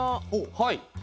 はい。